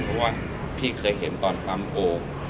เพราะว่าพี่เคยเห็นตอนปั๊มโอ่ง